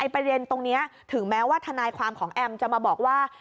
ประเด็นตรงนี้ถึงแม้ว่าทนายความของแอมจะมาบอกว่า